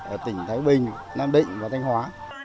ở tỉnh thái bình nam định và thanh hóa